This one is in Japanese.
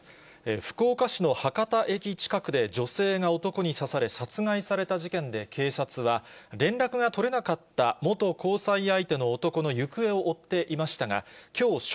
福岡市の博多駅近くで、女性が男に刺され殺害された事件で、警察は、連絡が取れなかった元交際相手の男の行方を追っていましたが、きょう正